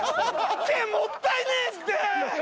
もったいねえって！